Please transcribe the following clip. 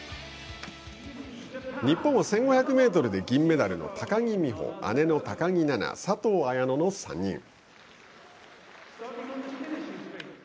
日本は１５００ｍで銀メダルの高木美帆、姉の高木菜那佐藤綾乃の３人。